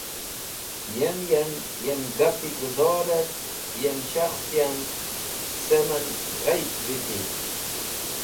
Yem yan yem gapi guzor et yem shakhs yan cem en ghayb viti.